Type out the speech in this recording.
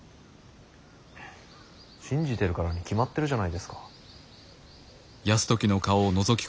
信じてるからに決まってるじゃないですか。